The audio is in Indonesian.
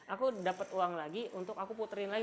aku dapat uang lagi untuk aku puterin lagi